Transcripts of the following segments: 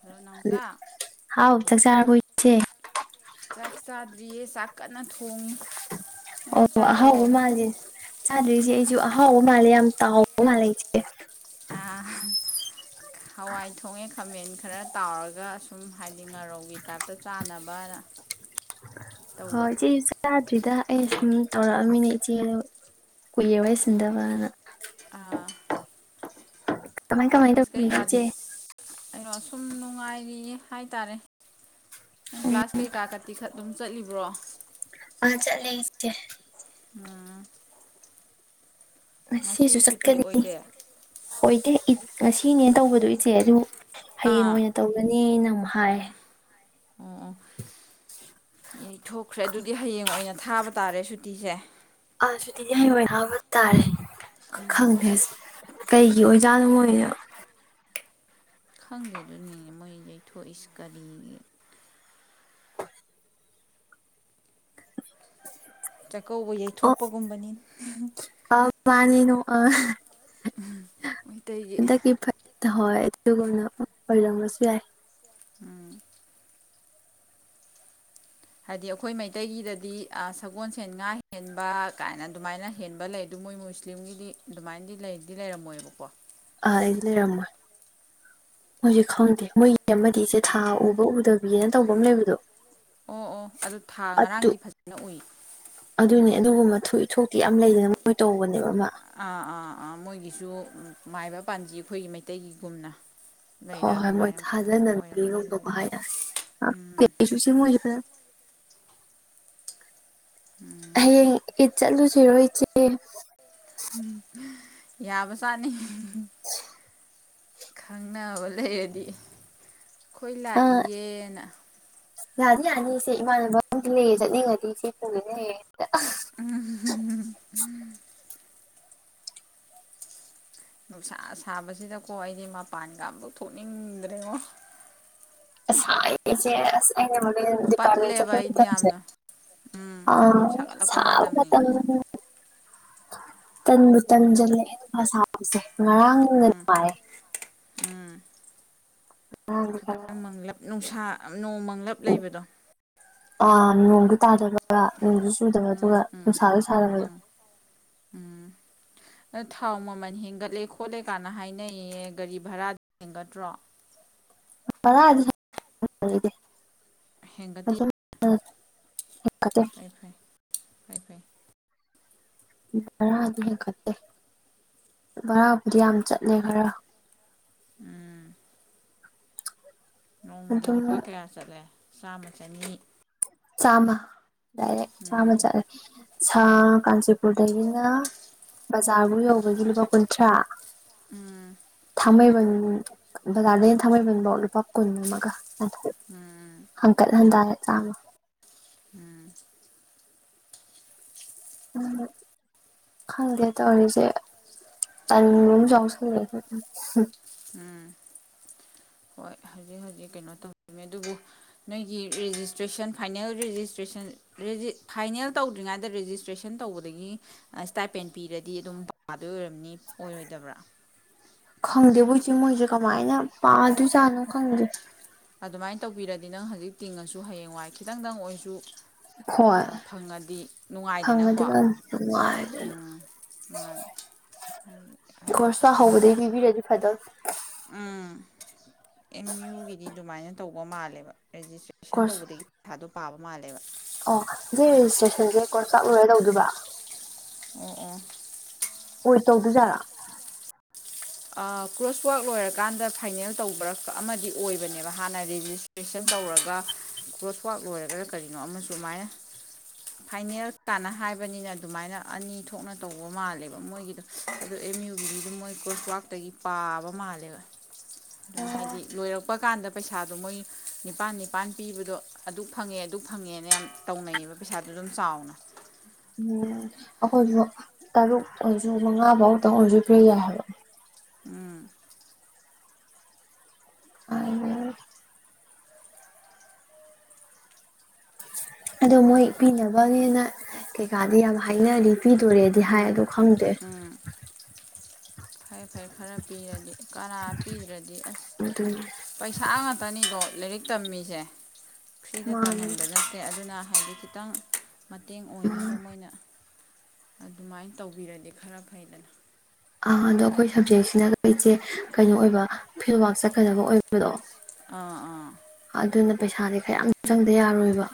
hello ꯅꯥꯎꯆꯥ ꯍꯥꯎ ꯆꯥꯛ ꯆꯥꯥꯔꯕꯣ ꯏꯆꯦ ꯆꯥꯛꯆꯥꯗ꯭ꯔꯤꯌꯦ ꯆꯥꯛ ꯀꯟꯅ ꯊꯣꯡꯉꯤ ꯑꯣ ꯅꯪꯗꯤ ꯆꯥꯔꯕꯣ ꯑꯍꯥꯎꯕ ꯃꯥꯜꯂꯦ ꯆꯥꯗ꯭ꯔꯤ ꯏꯆꯦ ꯑꯩꯁꯨ ꯍꯥꯎ ꯃꯥꯂꯦ ꯌꯥꯝ ꯇꯥꯎ ꯃꯥꯜꯂꯦ ꯏꯆꯦ ꯍꯋꯥꯏ ꯊꯣꯡꯉꯦ ꯈꯥꯃꯦꯟ ꯈꯔ ꯇꯥꯎꯔꯒ ꯁꯨꯝ ꯍꯥꯏꯗꯤ ꯉꯥꯔꯧꯒꯤ ꯇꯥꯏꯞꯇ ꯆꯥꯅꯕꯅ ꯍꯣꯏ ꯇꯧꯕ ꯏꯆꯦ ꯑꯩꯁꯨ ꯆꯥꯗ꯭ꯔꯤꯗ ꯑꯩ ꯁꯨꯝ ꯇꯧꯔꯛꯑꯃꯤꯅꯦ ꯏꯆꯦꯗꯣ ꯀꯨꯏꯔꯦ ꯋꯥꯏꯁꯤꯟꯗꯕꯅ ꯑꯥ ꯀꯃꯥꯏ ꯀꯃꯥꯏ ꯀ꯭ꯂꯥꯁ ꯇꯧꯔꯤꯒꯦ ꯀꯩꯀꯥꯗꯤ ꯏꯆꯦ ꯑꯩꯅꯣ ꯁꯨꯝ ꯅꯨꯡꯉꯥꯏꯔꯤꯌꯦ ꯍꯥꯏꯇꯥꯔꯦ ꯅꯪ ꯎꯝ ꯀ꯭ꯂꯥꯁ ꯀꯩꯀꯥ ꯀꯥꯇꯤ ꯈ ꯑꯗꯨꯝ ꯆꯠꯂꯤꯕ꯭ꯔꯣ ꯑ ꯆꯠꯂꯦ ꯏꯆꯦ ꯎꯝ ꯉꯁꯤꯁꯨ ꯉꯁꯤ ꯁꯨꯇꯤ ꯆꯠꯀꯅꯤꯅꯤ ꯑꯣꯏꯗꯦ ꯑꯥ ꯑꯣꯏꯗꯦ ꯏꯗ ꯉꯁꯤꯅꯦ ꯇꯧꯒꯗꯣꯏ ꯏꯆꯦ ꯑꯗꯨ ꯍꯌꯦꯡ ꯑꯣ ꯑꯣꯏꯅ ꯇꯧꯒꯅꯤ ꯅꯃꯨꯛ ꯍꯥꯏ ꯑꯣ ꯑꯣ ꯌꯩꯊꯣꯛꯈ꯭ꯔꯦ ꯑꯗꯨꯗꯤ ꯍꯌꯦꯡ ꯑꯣꯏꯅ ꯊꯥꯕ ꯇꯥꯔꯦ ꯁꯨꯇꯤꯁꯦ ꯑ ꯁꯨꯇꯤꯁꯦ ꯍꯌꯦꯡ ꯑꯣꯢꯅꯥ ꯊꯥꯕ ꯇꯥꯔꯦ ꯎꯝ ꯈꯪꯗꯦꯁꯤ ꯀꯩꯒꯤ ꯑꯣꯏꯖꯥꯠꯅ ꯑꯣꯏꯅ ꯈꯪꯗꯦꯗꯨꯅꯤ ꯃꯣꯏ ꯌꯩꯊꯣꯛꯏꯁꯤ ꯀꯔꯤꯒꯤ ꯆꯥꯛꯀꯧꯕ ꯑꯣ ꯌꯩꯊꯣꯛꯄꯒꯨꯝꯕꯅꯤ ꯑ [unintelligible] ꯃꯩꯇꯩꯒꯤ ꯍꯟꯗꯛꯀꯤ [unintelligible] ꯑꯗꯨꯒꯅ ꯑꯣꯏꯔꯝꯕꯁꯨ ꯌꯥꯏ ꯎꯝ ꯍꯥꯏꯗꯤ ꯑꯩꯈꯣꯏ ꯃꯩꯇꯩꯒꯤꯗꯗꯤ ꯁꯒꯣꯜꯁꯦꯟ ꯉꯥ ꯍꯦꯟꯕ ꯀꯥꯏꯅ ꯑꯗꯨꯃꯥꯏꯅ ꯍꯦꯟꯕ ꯂꯩ ꯑꯗꯨ ꯃꯣꯏ ꯃꯨꯁꯂꯤꯝꯒꯤꯗꯤ ꯑꯗꯨꯃꯥꯏꯅꯗꯤ ꯂꯩꯗꯤ ꯂꯩꯔꯝꯃꯣꯏꯕꯀꯣ ꯂꯩꯔꯝꯃꯣꯏ ꯃꯣꯏꯖꯦ ꯈꯪꯗꯦ ꯑꯃꯗꯤꯁꯦ ꯊꯥ ꯎ ꯎꯗꯕꯤꯅ ꯇꯧꯕ ꯑꯃ ꯂꯩꯕꯗꯣ ꯑꯣ ꯑꯣ ꯑꯗꯨ ꯊꯥ ꯑꯗꯨ ꯉꯔꯥꯡꯗꯤ ꯐꯖꯅ ꯎꯏ ꯑꯗꯨꯅꯦ ꯑꯗꯨꯒꯨꯝꯕ ꯊꯣꯛꯏ ꯊꯣꯛꯣꯛꯇꯦ ꯌꯥꯝ ꯂꯩꯗꯅ ꯃꯣꯏ ꯇꯧꯕꯅꯦꯕ ꯑꯃ ꯑꯥ ꯑꯥ ꯑꯥ ꯃꯣꯏꯒꯤꯁꯨ ꯃꯥꯏꯕ ꯄꯥꯟꯖꯤ ꯑꯩꯈꯣꯏꯒꯤ ꯃꯩꯇꯩꯒꯤꯒꯨꯝꯅ ꯍꯣꯏ ꯂꯩꯔ ꯍꯣꯏ ꯃꯣꯏ ꯑꯗꯨꯃꯥꯏꯅ ꯊꯥꯖꯅꯕꯤ ꯑꯣꯏꯔꯝꯃꯅꯤ ꯒꯨꯝꯕꯀꯣ ꯑꯗꯨꯗꯤ ꯍꯥꯏꯇꯥꯔꯦ ꯎꯝ ꯈꯪꯗꯦ ꯃꯣꯏꯁꯨ ꯍꯌꯦꯡ ꯏꯠ ꯆꯠꯂꯨꯁꯤꯔꯣ ꯏꯆꯦ ꯎꯝ ꯌꯥꯕꯖꯥꯠꯅꯤ [inaudible] ꯈꯪꯅꯕ ꯂꯩꯔꯗꯤ ꯈꯣꯏ ꯑ ꯂꯥꯛꯏꯌꯦꯅ ꯌꯥꯅꯤ ꯌꯥꯅꯤ ꯏꯆꯦ ꯏꯃꯟꯅꯕ ꯑꯃꯝꯒꯤꯅꯦ ꯆꯠꯅꯤꯡꯉꯗꯤ ꯏꯆꯦ ꯄꯨꯗꯣꯏꯅꯦ ꯍꯌꯦꯡ ꯍꯦꯛꯇ ꯎꯝ ꯅꯨꯡꯁꯥ ꯁꯥꯕꯁꯤꯗꯀꯣ ꯑꯩꯗꯤ ꯃꯄꯥꯟꯒ ꯑꯃꯨꯛ ꯊꯣꯛꯅꯤꯡꯗ꯭ꯔꯦꯉꯣ ꯑꯁꯥꯏꯁꯦ ꯑꯁꯦꯡ ꯗꯤꯄꯥ꯭ꯔꯠꯄꯦꯟꯇ ꯄꯠꯂꯦꯕ ꯆꯠꯄ ꯑꯩꯗꯤ ꯃꯇꯝꯁꯦ ꯌꯥꯝꯅ ꯎꯝ ꯑꯪ ꯁꯥꯒꯠꯂꯛꯄ ꯁꯥꯕꯥ ꯃꯇꯝꯅꯤ ꯃꯇꯝ ꯇꯟꯕꯨ ꯇꯟꯖꯜꯂꯛ ꯑꯦ ꯅꯨꯡꯁꯥ ꯁꯥꯕꯁꯦ ꯉꯔꯥꯡꯅ ꯎꯝ ꯅꯨꯡꯡꯥꯏꯌꯦ ꯎꯝ ꯈꯤꯇꯪ ꯃꯪꯂꯞ ꯅꯨꯡꯁꯥ ꯅꯣꯡ ꯃꯪꯂꯞ ꯂꯩꯕꯗꯣ ꯑꯗꯨ ꯇꯥꯗꯣꯏꯔꯕ ꯅꯣꯡꯁꯨ ꯆꯨꯗꯕ ꯎꯝ ꯑꯗꯨꯒ ꯎꯝ ꯅꯨꯡꯁꯥꯁꯨ ꯁꯥꯗꯕꯗꯣ ꯎꯝ ꯎꯝ ꯊꯥꯎ ꯃꯃꯜ ꯍꯦꯟꯒꯠꯂꯦ ꯈꯣꯠꯂꯦ ꯀꯥꯟꯅ ꯍꯥꯏꯅꯩꯌꯦ ꯒꯥꯔꯤ ꯚꯔꯥꯗ ꯍꯦꯟꯒꯠꯇ꯭ꯔꯣ ꯚꯔꯥꯗꯤ ꯍꯦꯡꯒꯠꯗꯤ ꯑꯣ [inaudible] [inaudible] ꯚꯔꯥꯗꯤ ꯍꯦꯟꯀꯠꯇꯦ ꯚꯔꯥꯕꯨꯗꯤ ꯌꯥꯝ ꯆꯠꯂꯦ ꯈꯔ ꯎꯝ ꯅꯣꯡꯃꯗ ꯑꯗꯨꯝ ꯂꯨꯄꯥ ꯀꯌꯥ ꯆꯠꯂꯦ ꯆꯥꯝꯃ ꯆꯅꯤ ꯆꯥꯃ ꯗꯥꯏꯔꯦꯛ ꯆꯥꯃ ꯎꯝ ꯆꯠꯂꯦ ꯎꯝ ꯁꯥꯔ ꯀꯥꯟꯆꯤꯄꯨꯔꯗꯒꯤꯅꯦ ꯕꯖꯥꯔꯕꯨ ꯌꯧꯕꯒꯤ ꯂꯨꯄꯥ ꯀꯨꯟꯊ꯭ꯔꯥ ꯎꯝ ꯊꯥꯡꯃꯩꯕꯟ ꯕꯖꯥꯔꯗꯒꯤ ꯊꯥꯡꯃꯩꯕꯟꯐꯧ ꯂꯨꯄꯥ ꯀꯨꯟ ꯑꯃꯒ ꯎꯝ ꯍꯡꯀꯠ ꯍꯟꯇꯥ ꯆꯥꯃ ꯎꯝ ꯎꯝ ꯈꯪꯗꯦ ꯇꯧꯔꯤꯁꯦ ꯇꯟꯒꯨꯝꯁꯨ ꯆꯥꯎꯎꯁꯜꯂꯦ ꯎꯝ ꯍꯣꯏ ꯍꯧꯖꯤꯛ ꯍꯧꯖꯤꯛ ꯀꯩꯅꯣ ꯇꯧꯗꯅꯤ ꯑꯗꯨꯕꯨ ꯅꯣꯏꯒꯤ ꯔꯦꯖꯤꯁꯇ꯭ꯔꯦꯁꯟ ꯐꯥꯏꯅꯦꯜ ꯔꯦꯖꯤꯁꯇ꯭ꯔꯦꯁꯟ ꯐꯥꯏꯅꯦꯜ ꯇꯧꯗ꯭ꯔꯤꯉꯩꯗ ꯔꯦꯖꯤꯁꯇ꯭ꯔꯦꯁꯟ ꯇꯧꯕꯗꯒꯤ ꯏꯁ꯭ꯇꯥꯏꯄꯦꯟ ꯄꯤꯔꯗꯤ ꯑꯗꯨꯝ ꯑꯗꯨ ꯑꯣꯏꯔꯝꯅꯤ ꯑꯣꯏꯔꯣꯏꯗꯕ꯭ꯔꯥ ꯆꯦ ꯃꯣꯏꯁꯦ ꯀꯃꯥꯏꯅ ꯄꯥꯗꯣꯏꯖꯥꯠꯅꯣ ꯈꯪꯗꯦ ꯑꯗꯨꯃꯥꯏꯅ ꯇꯧꯕꯤꯔꯗꯤ ꯅꯪ ꯍꯧꯖꯤꯛ ꯇꯤꯡꯉꯁꯨ ꯍꯌꯦꯡꯋꯥꯏ ꯈꯤꯇꯪꯗꯪ ꯑꯣꯏꯁꯨ ꯍꯣꯏ ꯐꯪꯉꯗꯤ ꯅꯨꯡꯉꯥꯏꯗꯅꯀꯣ ꯐꯪꯉꯗꯤ ꯅꯨꯡꯉꯥꯏꯗꯅ ꯎꯝ ꯃꯥꯅꯤ ꯍꯥꯏꯗꯤ ꯍꯥꯏꯗꯤ ꯑ ꯎꯝ ꯑꯦꯝ ꯌꯨꯒꯤꯗꯤ ꯑꯗꯨꯃꯥꯏꯅ ꯇꯧꯕ ꯃꯥꯜꯂꯦꯕ ꯔꯦꯖꯤꯁꯇ꯭ꯔꯦꯁꯟ ꯀꯣꯔꯁ ꯇꯧꯕꯗꯒꯤ ꯄ ꯩꯁꯥꯗꯣ ꯄꯥꯕ ꯃꯥꯜꯂꯦꯕ ꯑꯣ ꯁꯤ ꯔꯦꯖꯤꯁꯇ꯭ꯔꯦꯁꯟꯁꯦ ꯀ꯭ꯔꯣꯔꯆ ꯇꯥꯛ ꯂꯣꯏꯔ ꯇꯧꯗꯣꯏꯕ ꯑꯣ ꯑꯣ ꯑꯣꯏ ꯇꯧꯗꯨꯖꯥꯠꯂꯥ ꯀ꯭ꯔꯣꯁꯋꯥꯛ ꯂꯣꯏꯔꯀꯥꯟꯗ ꯐꯥꯏꯅꯦꯜ ꯇꯧꯕꯔ ꯑꯃꯗꯤ ꯑꯣꯏꯕꯅꯦꯕ ꯍꯥꯟꯅ ꯔꯤꯖꯤꯁ ꯔꯤꯖꯤꯁꯇꯦꯁꯟ ꯇꯧꯔꯒ ꯀ꯭ꯔꯣꯁꯋꯥꯛ ꯂꯣꯏꯔꯒ ꯀꯔꯤꯅꯣ ꯑꯃꯁꯨꯃꯥꯏꯅ ꯐꯥꯏꯅꯦꯜ ꯇꯥꯟꯅ ꯍꯥꯏꯕꯅꯤꯅ ꯑꯗꯨꯃꯥꯏꯅ ꯑꯅꯤ ꯊꯣꯛꯅ ꯇꯧꯕ ꯃꯥꯜꯂꯦꯕ ꯃꯣꯏꯒꯤꯗꯣ ꯑꯗꯣ ꯑꯦꯝ ꯌꯨꯒꯤꯒꯤꯗꯣ ꯃꯣꯏ ꯀꯣꯔ꯭ꯔꯣꯁꯋꯥꯛ ꯇꯒꯤ ꯄꯥꯕ ꯃꯥꯜꯂꯦꯕ ꯑꯗꯨꯝ ꯍꯥꯏꯗꯤ ꯂꯣꯏꯔꯛꯄ ꯀꯥꯟꯗ ꯄꯩꯁꯥꯗꯣ ꯃꯣꯏ ꯅꯤꯄꯥꯜ ꯅꯤꯄꯥꯟ ꯄꯤꯕꯗꯣ ꯑꯗꯨꯛ ꯐꯪꯉꯦ ꯑꯗꯨꯛ ꯐꯪꯉꯦꯅ ꯌꯥꯝ ꯇꯧꯅꯩꯌꯦꯕ ꯄꯩꯁꯥꯗꯨ ꯑꯗꯨꯝ ꯆꯥꯎꯅ ꯎꯝ ꯑꯩꯈꯣꯏꯁꯨ ꯇꯔꯨꯛ ꯑꯣꯏꯁꯨ ꯃꯉꯥ ꯐꯧꯗꯪ ꯑꯣꯏꯁꯨ ꯄꯤꯕ ꯌꯥꯏ ꯍꯥꯏꯕ ꯎꯝ ꯑ ꯑꯗꯣ ꯃꯣꯏ ꯄꯤꯅꯕꯅꯦꯅ ꯀꯩꯀꯥꯗꯤ ꯌꯥꯝ ꯍꯥꯏꯅꯔꯤ ꯄꯤꯗꯣꯔꯦꯗꯤ ꯍꯥꯏ ꯎꯝ ꯑꯗꯨ ꯈꯪꯗꯦ ꯎꯝ ꯐꯩ ꯐꯔꯩ ꯈꯔ ꯄꯤꯔꯗꯤ ꯀꯅꯥ ꯄꯤꯗ꯭ꯔꯗꯤ ꯑꯁ ꯑꯗꯨꯅꯦ ꯄꯩꯁꯥ ꯉꯥꯛꯇꯅꯤꯀꯣ ꯂꯥꯏꯔꯤꯛ ꯇꯝꯃꯤꯁꯦ ꯐ꯭ꯔꯤꯗ ꯃꯥꯅꯦ ꯇꯝꯍꯟꯕ ꯅꯠꯇꯦ ꯑꯗꯨꯅ ꯍꯥꯏꯗꯤ ꯈꯤꯇꯪ ꯃꯇꯦꯡ ꯃꯥꯅꯦ ꯑꯣꯏꯅꯕ ꯃꯣꯏꯅ ꯑꯗꯨꯃꯥꯏꯅ ꯇꯧꯕꯤꯔꯗꯤ ꯈꯔ ꯐꯩꯗꯅ ꯑꯥ ꯑꯗꯣ ꯑꯩꯈꯣꯏ ꯁꯕꯖꯦꯛꯁꯤꯅ ꯏꯆꯦ ꯀꯩꯅꯣ ꯑꯣꯏꯕ ꯐꯤꯜꯋ꯭ꯔꯥꯛ ꯆꯠꯀꯗꯕ ꯑꯣꯏꯕꯗꯣ ꯑꯥ ꯑꯥ ꯑꯗꯨꯅ ꯄꯩꯁꯥꯗꯤ ꯈꯔꯥ ꯌꯥꯝ ꯆꯪꯗ ꯌꯥꯔꯣꯏꯕ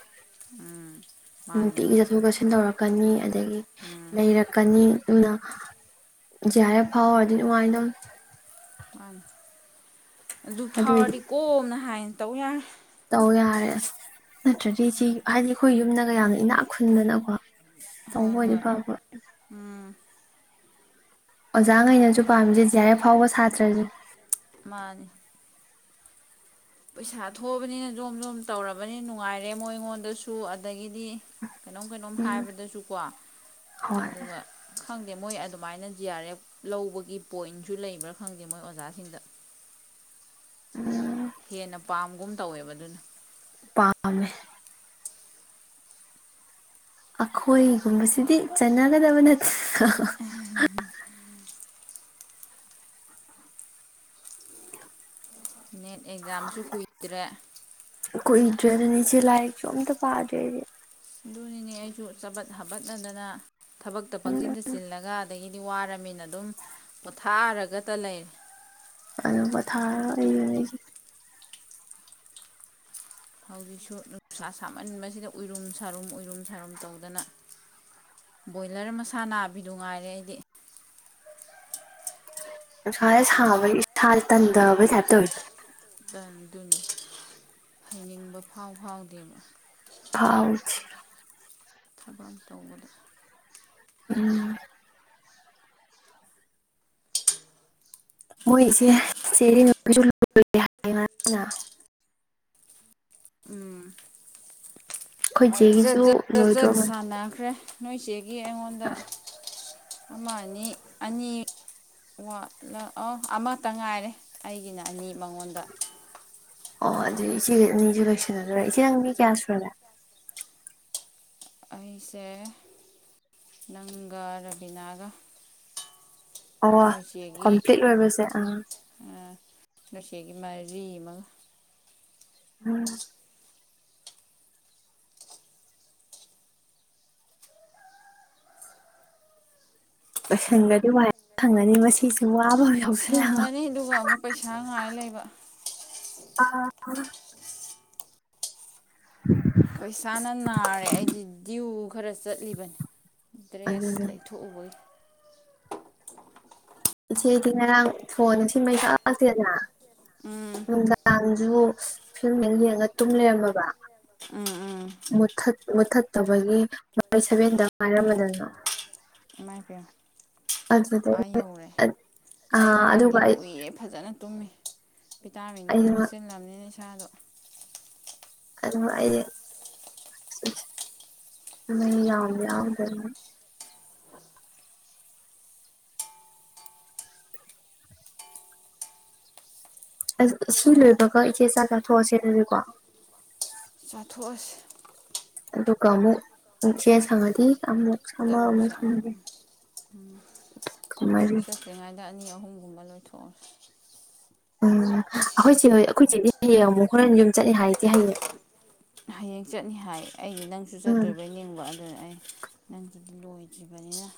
ꯎꯝ ꯃꯥꯅꯤ ꯅꯨꯡꯇꯤꯒꯤ ꯆꯊꯣꯛ ꯆꯁꯤꯟ ꯇꯧ ꯀꯅꯤ ꯑꯗꯒꯤ ꯎꯝ ꯂꯩꯔꯛꯀꯅꯤ ꯎ ꯖꯤꯑꯔꯑꯞ ꯐꯥꯎꯔꯗꯤ ꯅꯨꯡꯉꯥꯏꯗꯧꯅꯤ ꯑꯥꯡ ꯑꯗꯨ ꯑꯗꯨꯏꯗꯤ ꯐꯥꯎꯔꯗꯤ ꯀꯣꯝꯅ ꯍꯥꯏꯅ ꯇꯧ ꯌꯥ ꯇꯧ ꯌꯥꯔꯦ ꯑꯁ ꯅꯠꯇ꯭ꯔꯗꯤ ꯁꯤ ꯍꯥꯏꯗꯤ ꯑꯩꯈꯣꯏ ꯌꯨꯝꯗꯒ ꯌꯥꯝꯅ ꯏꯅꯥꯛ ꯈꯨꯟꯗꯅꯀꯣ ꯇꯧꯕ ꯍꯣꯏ ꯑꯣꯏꯗꯤ ꯍꯣꯏ ꯐꯕ ꯎꯝ ꯑꯣꯖꯥꯈꯩꯅꯁꯨ ꯄꯥꯝꯃꯤꯁꯦ ꯖꯔ ꯑꯦꯐ ꯐꯥꯎꯕ ꯁꯥꯇ꯭ꯔꯁꯦ ꯃꯥꯅꯤ ꯄꯩꯁꯥ ꯊꯣꯛꯑꯕꯅꯤꯅ ꯖꯣꯝ ꯖꯣꯝ ꯇꯧꯔꯕꯅꯤꯅ ꯅꯨꯡꯉꯥꯏꯔꯦ ꯃꯣꯏ ꯑꯩꯉꯣꯟꯗꯁꯨ ꯑꯗꯒꯤꯗꯤ ꯀꯩꯅꯣꯝ ꯀꯩꯅꯣꯝ ꯎꯝ ꯍꯥꯏꯕꯗꯁꯨꯀꯣ ꯍꯣꯏ ꯑꯗꯨꯒ ꯈꯪ ꯈꯪꯗꯦ ꯃꯣꯏ ꯑꯗꯨꯃꯥꯏꯅ ꯖꯤ ꯑꯥꯔ ꯑꯦꯐ ꯂꯧꯕꯒꯤ ꯄꯣꯏꯟꯁꯨ ꯂꯩꯕ꯭ꯔꯥ ꯈꯪꯗꯦ ꯃꯣꯏ ꯑꯣꯖꯥꯁꯤꯡꯗ ꯎꯝ ꯍꯦꯟꯅ ꯄꯥꯝꯒꯨꯝ ꯇꯧꯋꯦꯕ ꯑꯗꯨꯅ ꯄꯥꯝꯃꯦ ꯑꯩꯈꯣꯏꯒꯨꯝꯕꯁꯤꯗꯤ ꯆꯠꯅꯒꯗꯕ ꯅꯠꯇ [unintelligible] ꯅꯦꯠ ꯑꯦꯛꯖꯥꯝꯁꯨ ꯀꯨꯏꯗ꯭ꯔꯦ ꯀꯨꯏꯗ꯭ꯔꯦꯕꯅꯦ ꯏꯆꯦ ꯂꯥꯏꯔꯤꯛꯁꯨ ꯑꯝꯇ ꯄꯥꯗ꯭ꯔꯦ ꯑꯩꯗꯤ ꯑꯗꯨꯅꯤꯅꯦ ꯑꯩꯁꯨ ꯆꯄꯠ ꯍꯥꯄꯠꯅꯗꯅ ꯊꯕꯛꯇ ꯑꯗꯨꯅ ꯄꯪꯆꯤꯟꯗ ꯆꯤꯜꯂꯒ ꯑꯗꯒꯤ ꯗꯤ ꯋꯥꯔꯃꯤꯅ ꯑꯗꯨꯝ ꯄꯣꯊꯥꯔꯒꯇ ꯂꯩꯔꯦ ꯑꯗꯨꯒ ꯊꯥꯔꯒ ꯑꯩꯔ ꯑꯩꯁꯦ ꯍꯧꯖꯤꯛꯁꯨ ꯅꯨꯡꯁꯥ ꯁꯥꯃꯟꯕꯁꯤꯗ ꯎꯔꯨꯝ ꯁꯥꯔꯨꯝ ꯌꯨꯝ ꯁꯥꯔꯨꯝ ꯇꯧꯗꯅ ꯕꯣꯏꯂꯔ ꯃꯁꯥ ꯅꯥꯕꯤꯗꯨ ꯉꯥꯏꯔꯦ ꯑꯩꯗꯤ ꯅꯨꯪꯁꯖꯦ ꯁꯥꯕꯩ ꯏꯁꯥꯁꯦ ꯇꯟꯗꯕꯩ ꯇ꯭ꯌꯦꯞ ꯇꯣꯏ ꯑꯗꯨꯅꯤ ꯍꯩꯅꯤꯡꯕ ꯐꯥꯎ ꯐꯥꯎꯗꯦꯕ ꯐꯥꯎꯗꯦ ꯊꯕꯛ ꯇꯧꯕꯗ ꯎꯝ ꯃꯣꯏ ꯏꯆꯦ [unintelligible] ꯎꯝ ꯑꯩꯈꯣꯏ ꯃꯣꯏ ꯖꯠ ꯆꯦꯒꯤꯁꯨ ꯖꯠ ꯖꯠ ꯖꯠ ꯂꯣꯏꯗ꯭ꯔꯣꯕꯅꯦ ꯁꯥꯟꯅꯈ꯭ꯔꯦ ꯅꯣꯏꯆꯦꯒꯤ ꯑꯩꯉꯣꯟꯗ ꯑꯃ ꯑꯅꯤ ꯑꯅꯤ ꯑ ꯑꯃꯇ ꯉꯥꯏꯔꯦ ꯑꯩꯒꯤꯅ ꯑꯅꯤ ꯃꯉꯣꯟꯗ ꯑꯣ ꯑꯗꯨ ꯏꯆꯦꯅꯤꯁꯨ ꯂꯣꯏꯁꯟꯅꯗ ꯏꯆꯦ ꯅꯪ ꯃꯤ ꯀꯌꯥ ꯁꯨꯔꯒꯦ ꯑꯩꯁꯦ ꯅꯪꯒ ꯔꯕꯤꯅꯥꯒ ꯑꯣ ꯅꯣꯏꯆꯦꯒꯤ ꯀꯝꯄ꯭ꯂꯤꯠ ꯑꯣꯏꯕꯁꯦ ꯑꯥ ꯉꯁꯤꯒꯤ ꯃꯥꯏꯔꯤ ꯑꯃ ꯎꯝ [unintelligible] ꯂꯣꯏꯁꯟꯒꯔꯗꯤ ꯋꯥꯏ ꯑꯃ ꯁꯪꯉꯅꯤ ꯃꯁꯤꯁꯨ ꯋꯥꯕ ꯌꯥꯎꯁꯜꯂꯛꯑꯕ ꯁꯪꯉꯅꯤ ꯑꯗꯨꯒ ꯑꯃꯨꯛ ꯄꯩꯁꯥ ꯉꯥꯏ ꯂꯩꯕ ꯑ ꯄꯩꯁꯥꯅ ꯅꯥꯔꯦ ꯑꯩꯗꯤ ꯗꯤꯨ ꯈꯔ ꯆꯠꯂꯤꯕꯅꯤ ꯗ꯭ꯔꯦꯁ ꯑꯗꯨꯅꯦ ꯂꯩꯊꯣꯛꯑꯣꯕꯩ ꯏꯆꯦꯗꯤ ꯉꯔꯥꯡ ꯁꯣꯟꯅ ꯁꯤꯃꯩ ꯆꯥꯁꯤꯦꯗꯅ ꯎꯝ ꯃꯗꯥꯥꯡ ꯑꯗꯨꯕꯨ ꯐꯤꯂꯝꯗ ꯌꯦꯡꯉꯒ ꯇꯨꯝ ꯂꯩꯔꯝꯃꯕ ꯎꯝ ꯎꯝ ꯃꯨꯊꯠ ꯃꯨꯠꯊꯠꯇꯕꯒꯤ ꯃꯥ ꯁꯦꯚꯦꯟꯗ ꯉꯥꯏꯔꯝꯃꯗꯅ ꯀꯥꯏ ꯄꯌ ꯑꯗꯨꯗꯩ ꯑꯥ ꯌꯧꯔꯦ ꯑꯩ ꯑꯥ ꯉꯔꯥꯡꯗꯤ ꯑꯗꯨꯒ ꯑꯩ ꯎꯏꯌꯦꯦ ꯐꯖꯅ ꯇꯨꯝꯃꯤ ꯚꯤꯇꯥꯃꯤꯟ ꯑꯃꯝ ꯑꯩꯅ ꯊꯛꯆꯤꯟꯂꯝꯅꯤꯅ ꯑꯗꯣ ꯑ ꯑꯩ ꯃ ꯌꯥꯝ ꯌꯥꯎꯗꯅ ꯑ ꯁꯤ ꯂꯣꯏꯕꯒ ꯏꯆꯦ ꯏꯆꯥ ꯆꯥꯊꯣꯛꯑꯁꯦꯅꯔꯦꯀꯣ ꯆꯥꯊꯣꯛꯑꯁꯤꯦ ꯇ ꯀꯃꯨꯆꯦ ꯁꯉꯗꯤ ꯇꯔꯨꯨꯔꯁꯦ ꯎꯝ ꯎꯝ ꯎꯝ ꯅꯪ ꯃꯔꯤ ꯆꯠꯇ꯭ꯔꯤꯉꯩꯗ ꯑꯅꯤ ꯑꯍꯨꯝ ꯒꯨꯝꯕ ꯂꯣꯏꯊꯣꯛꯑ ꯎꯝ ꯑꯩꯈꯣꯏꯁꯦ ꯍꯣꯏ ꯑꯩꯈꯣꯏꯁꯤꯗꯤ ꯍꯌꯦꯡ ꯑꯃꯨꯛ ꯍꯣꯔꯦꯟ ꯌꯨꯝ ꯆꯠꯂꯦ ꯍꯥꯏꯁꯦ ꯍꯌꯦꯡ ꯍꯌꯦꯡ ꯆꯠꯅꯤ ꯍꯥꯏ ꯑꯩꯗꯤ ꯅꯪꯁꯨ ꯎꯝ ꯆꯠꯇꯣꯏꯕꯩ ꯅꯤꯡꯕ ꯑꯗꯨꯅ ꯑꯩ ꯅꯪꯒꯤꯗꯤ ꯂꯣꯏꯗ꯭ꯔꯤꯕꯅꯤꯅ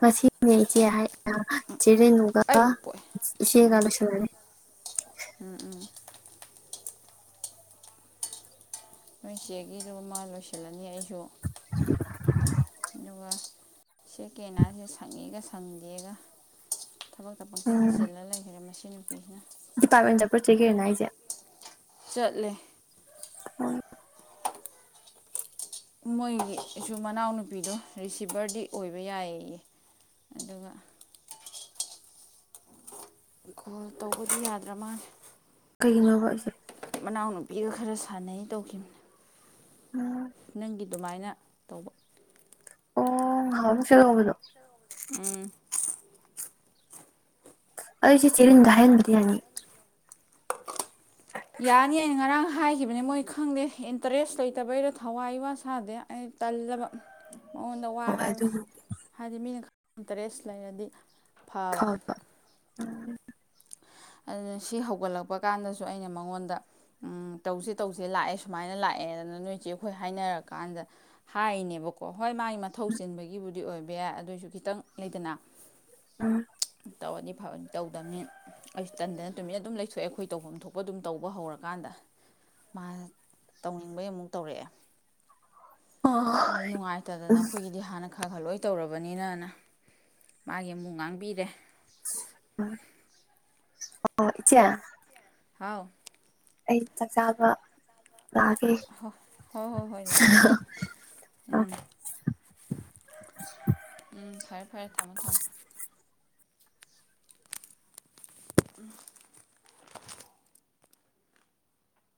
ꯃꯁꯤꯁꯤꯦ ꯍꯥꯏ ꯆꯦꯔꯦ ꯅꯨꯅꯨꯡꯒ ꯑꯩ ꯄꯣꯛꯑꯦ ꯏꯆꯦ ꯀꯂꯁꯗꯅꯦ ꯅꯣꯏ ꯆꯦꯒꯤꯗꯨ ꯃꯥ ꯂꯣꯏꯁꯤꯜꯂꯅꯤ ꯑꯩ ꯌꯣ ꯑꯗꯨꯒ ꯁꯦ ꯀꯦꯅꯥꯁꯦ ꯁꯪꯉꯤꯒ ꯁꯪꯗꯦꯒ ꯊꯕꯛꯇ ꯄꯪꯆꯤꯟꯗ ꯆꯤꯜꯂꯒ ꯂꯩꯈ꯭ꯔꯦ ꯃꯁꯤ ꯆꯅ ꯄꯤꯅ ꯗꯤꯄꯥꯔꯠꯃꯦꯟꯗ ꯄꯨꯔꯆꯈꯤꯕꯅ ꯑꯩꯁꯦ ꯆꯠꯂꯦ [unintelligible] ꯃꯣꯏꯒꯤꯁꯨ ꯃꯅꯥꯎꯅꯨꯄꯤꯗꯣ ꯔꯤꯁꯤꯚꯔꯗꯤ ꯑꯣꯏꯕ ꯌꯥꯏꯌꯦꯌꯦ ꯑꯗꯨꯒ ꯀꯣꯜ ꯇꯧꯕꯗꯤ ꯌꯥꯗ꯭ꯔ ꯃꯥꯂꯦ ꯀꯩꯅꯣꯕ [unintelligible] ꯃꯅꯥꯎꯅꯨꯄꯤꯒ ꯈꯔ ꯁꯥꯟꯅꯩ ꯇꯧꯈꯤꯕꯅꯤ ꯎꯝ ꯑꯗꯨꯃꯥꯏꯅ ꯇꯧꯕ ꯑꯣ ꯉꯍꯟꯃꯨꯛ ꯆꯠꯂꯨꯕꯗꯨ ꯎꯝ ꯑꯩ [unintelligible] ꯍꯥꯏꯍꯟꯕꯗꯤ ꯌꯥꯅꯤ ꯌꯥꯅꯤ ꯑꯩꯅ ꯉꯔꯥꯡ ꯍꯥꯏꯈꯤꯕꯅꯤ ꯃꯣꯏ ꯈꯪꯗꯦ ꯏꯟꯇꯔꯦꯁ ꯂꯩꯇꯕꯩꯔꯥ ꯊꯧꯋꯥ ꯏꯋꯥ ꯁꯥꯗꯦ ꯑꯩ ꯇꯜꯂꯕ ꯃꯉꯣꯟꯗ ꯋꯥ ꯍꯣꯏ ꯍꯥꯏꯕꯁꯤ ꯑꯗꯨꯕꯨ ꯍꯥꯏꯗꯤ ꯃꯤꯅ ꯏꯟꯇꯔꯦꯁ ꯂꯩꯔꯗꯤ ꯐꯥꯕ ꯐꯕ ꯎꯝ ꯑꯗꯨꯅ ꯁꯤ ꯍꯧꯒꯠꯂꯛꯄ ꯀꯥꯟꯗꯁꯨ ꯑꯩꯅ ꯃꯉꯣꯟꯗ ꯇꯧꯁꯦ ꯇꯧꯁꯦ ꯂꯥꯛꯑꯦ ꯁꯨꯃꯥꯏꯅ ꯂꯥꯛꯑꯦꯗꯅ ꯅꯣꯏꯆꯦ ꯑꯩꯈꯣꯏ ꯍꯥꯏꯅꯔꯀꯥꯟꯗ ꯍꯥꯏꯔꯤꯅꯦꯕꯀꯣ ꯍꯣꯏ ꯃꯥꯒꯤ ꯃꯊꯧ ꯆꯤꯟꯕꯒꯤꯕꯨꯗꯤ ꯑꯣꯏ ꯕꯌꯥꯏ ꯑꯗꯨꯑꯣꯏꯁꯨ ꯈꯤꯇꯪ ꯂꯩꯗꯅ ꯎꯝ ꯇꯧꯔꯗꯤ ꯐꯕꯅꯤ ꯇꯧꯗꯃꯤꯅ ꯑꯩꯁꯨ ꯇꯟꯗꯅ ꯇꯨꯃꯤꯟꯅ ꯑꯗꯨꯝ ꯂꯩꯊꯣꯛꯑꯦ ꯑꯩꯈꯣꯏ ꯇꯧꯐꯝ ꯊꯣꯛꯄ ꯑꯗꯨꯝ ꯇꯧꯕ ꯍꯧꯔꯀꯥꯟꯗ ꯃꯥ ꯇꯧꯅꯤꯡꯕꯩ ꯑꯃꯨꯛ ꯇꯧꯔꯛꯑꯦ ꯑꯣ ꯑꯩꯗꯤ ꯅꯨꯡꯉꯥꯏꯇꯗꯅ ꯑꯩꯈꯣꯏꯒꯤꯗꯤ ꯍꯥꯟꯅ ꯈ ꯈꯥ ꯈꯥꯂꯣꯏ ꯇꯧꯔꯕꯅꯤꯅꯅ ꯃꯥꯒꯤ ꯑꯃꯨꯛ ꯉꯥꯡꯕꯤꯔꯦ ꯑꯣ ꯏꯆꯦ ꯍꯥꯎ ꯑꯩ ꯆꯥꯛꯆꯥꯕ ꯂꯛꯑꯒꯦ [inaudible] ꯍꯣ ꯍꯣꯏ ꯍꯣꯏ ꯍꯣꯏ ꯂꯥꯛꯑꯣ ꯂꯥꯛꯑꯣ ꯎꯝ ꯎꯝ ꯐꯔꯦ ꯐꯔꯦ ꯊꯝꯃꯣ ꯊꯝꯃꯣ [unintelligible]